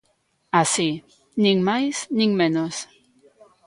Así, nin máis nin menos.